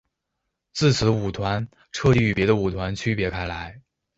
自此舞团彻底与别的舞团区别开来。